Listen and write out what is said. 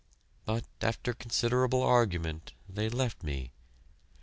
But after considerable argument, they left me.